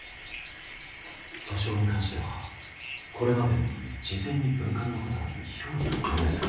訴訟に関してはこれまでのように事前に文官の方々に評議をお願いするのです。